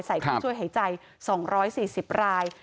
ใส่คุณช่วยหายใจ๒๔๐ราย